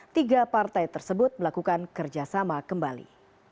tiga partai tersebut melakukan kerjasama kembali